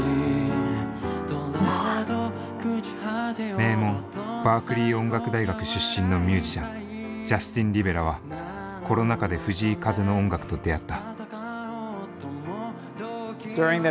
名門バークリー音楽大学出身のミュージシャンジャスティン・リベラはコロナ禍で藤井風の音楽と出会った。